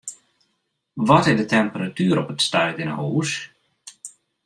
Wat is de temperatuer op it stuit yn 'e hûs?